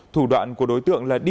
thủ đoạn của đối tượng là điện thoại